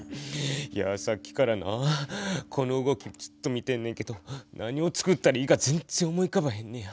いやぁさっきからなこの動きずっと見てんねんけど何をつくったらいいか全然思いうかばへんのや。